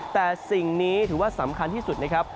แต่สิ่งนี้ถือว่าสำคัญที่สุดนะครับ